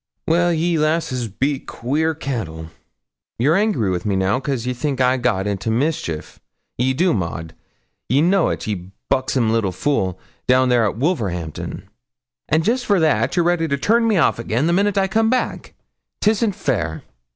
'Well, you lasses be queer cattle; ye're angry wi' me now, cos ye think I got into mischief ye do, Maud; ye know't, ye buxsom little fool, down there at Wolverhampton; and jest for that ye're ready to turn me off again the minute I come back; 'tisn't fair.'